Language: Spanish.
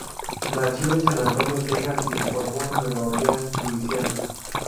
Nació en San Antonio, Texas y se formó en Nueva Orleans, Luisiana.